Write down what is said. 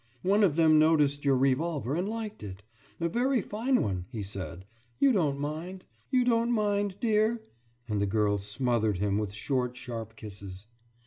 One of them noticed your revolver and liked it. A very fine one, he said. You don't mind? You don't mind, dear?« And the girl smothered him with short, sharp kisses.